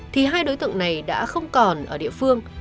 những đối tượng này đã không còn ở địa phương